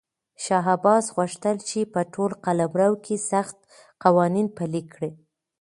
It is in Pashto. شاه عباس غوښتل چې په ټول قلمرو کې سخت قوانین پلي کړي.